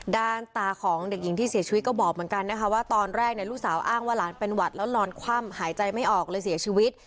ด่างตาของเด็กหญิงที่เสียชีวิตบอกว่าทอนไหนลูกสาวอ้างว่าหลานเป็นหวัดหายใจไม่ออกและเสียชีวิต